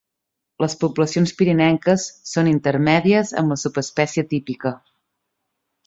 Les poblacions pirinenques són intermèdies amb la subespècie típica.